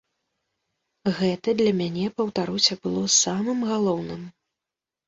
Гэта для мяне, паўтаруся, было самым галоўным.